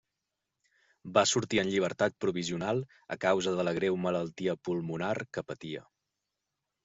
Va sortir en llibertat provisional, a causa de la greu malaltia pulmonar que patia.